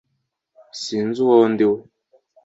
sinzi uwo ndi we